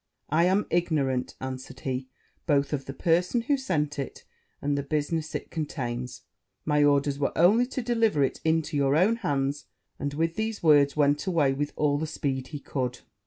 'I am ignorant,' answered he, 'both of the person who sent it, and the business it contains: my orders were only to deliver it into your own hands;' and with these words went away with all the speed he could.